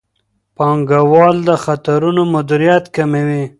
پانګوال د خطرونو مدیریت کوي.